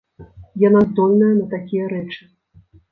Яна здольная на такія рэчы.